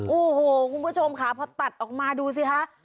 โอ้โหคุณผู้ชมค่ะพอตัดออกมาดูสิคะ